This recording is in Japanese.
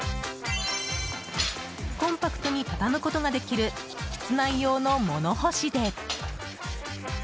コンパクトに畳むことができる室内用の物干しで。